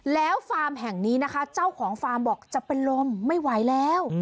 แล้วฟาร์มแห่งนี้นะคะเจ้าของฟาร์มบอกจะเป็นลมไม่ไหวแล้ว